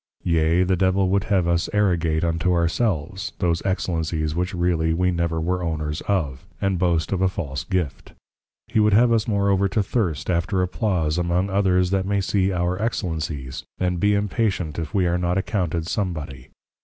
_ Yea, the Devil would have us arrogate unto our selves, those Excellencies which really we never were owners of; and Boast of a false Gift. He would have us moreover to Thirst after Applause among others that may see Our Excellencies! and be impatient if we are not accounted some body.